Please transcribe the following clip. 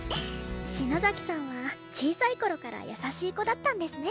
篠崎さんは小さい頃から優しい子だったんですね。